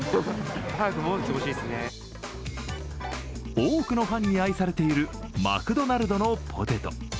多くのファンに愛されているマクドナルドのポテト。